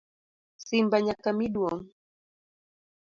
Simba nyaka mi duong.